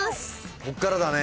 こっからだね。